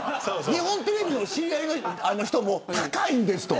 日本テレビの知り合いの人も高いんですと。